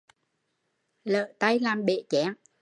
Lỡ tay làm bể chén